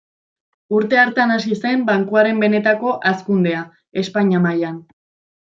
Urte hartan hasi zen bankuaren benetako hazkundea Espainia mailan.